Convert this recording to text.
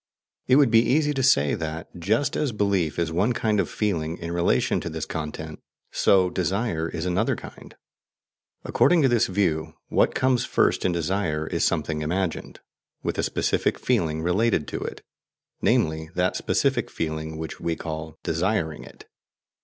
It would be easy to say that, just as belief is one kind of feeling in relation to this content, so desire is another kind. According to this view, what comes first in desire is something imagined, with a specific feeling related to it, namely, that specific feeling which we call "desiring" it.